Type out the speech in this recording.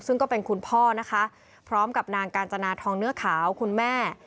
ซึ่งก็เป็นคุณพ่อนะคะพร้อมกับนางกาญจนาทองเนื้อขาวคุณแม่